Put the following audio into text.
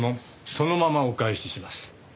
そのままお返しします。